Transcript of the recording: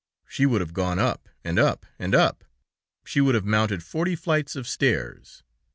She would have gone up, and up, and up! She would have mounted forty flights of stairs!